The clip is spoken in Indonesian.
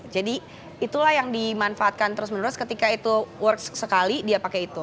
jadi itulah yang dimanfaatkan terus menerus ketika itu berhasil sekali dia pakai itu